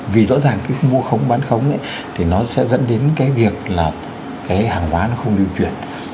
vì rõ ràng cái mua khống bán khống thì nó sẽ dẫn đến cái việc là cái hàng hóa nó không lưu chuyển